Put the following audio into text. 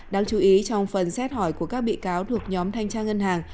đáng chú ý trong phần xét hỏi của các bị cáo thuộc nhóm thanh tra ngân hàng